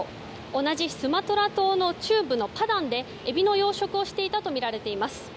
同じスマトラ島の中部でエビの養殖をしていたとみられています。